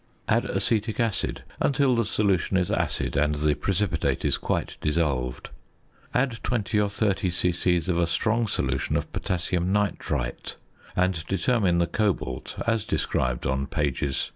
Add acetic acid until the solution is acid and the precipitate is quite dissolved. Add 20 or 30 c.c. of a strong solution of potassium nitrite, and determine the cobalt, as described on pp.